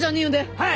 ・はい！